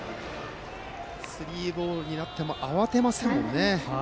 スリーボールになっても慌てませんね。